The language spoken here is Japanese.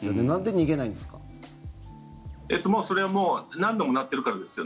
なんで逃げないんですか？